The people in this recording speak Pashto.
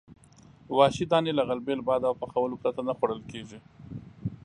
وحشي دانې له غلبیل، باد او پخولو پرته نه خوړل کېدې.